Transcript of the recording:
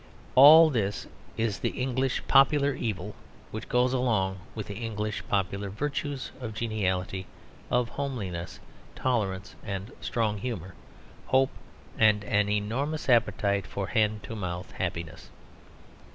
All this is the English popular evil which goes along with the English popular virtues of geniality, of homeliness, tolerance and strong humour, hope and an enormous appetite for a hand to mouth happiness.